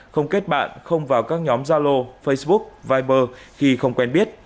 không kết bạn không vào các nhóm zalo facebook viber khi không quen biết